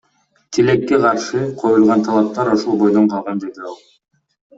Тилекке каршы, коюлган талаптар ошол бойдон калган, — деди ал.